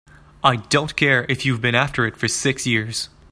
I don't care if you've been after it for six years!